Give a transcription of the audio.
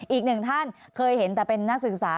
อีกหนึ่งท่านเคยเห็นแต่เป็นนักศึกษา